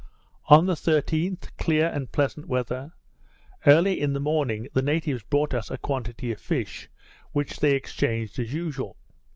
On the 13th, clear and pleasant weather. Early in the morning the natives brought us a quantity of fish, which they exchanged as usual.